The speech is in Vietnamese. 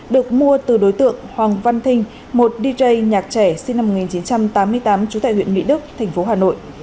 được mua từ đối tượng hoàng văn thinh một dj nhạc trẻ sinh năm một nghìn chín trăm tám mươi tám trú tại huyện mỹ đức thành phố hà nội